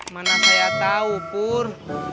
mana saya tau pur